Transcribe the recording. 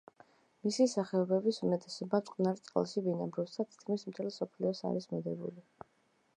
მისი სახეობების უმეტესობა მტკნარ წყალში ბინადრობს და თითქმის მთელ მსოფლიოს არის მოდებული.